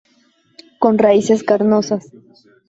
Con raíces carnosas.